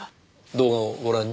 動画をご覧に？